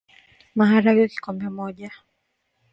Maharage Kikombe moja